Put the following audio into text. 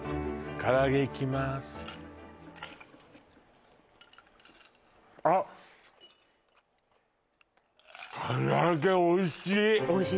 唐揚げおいしい！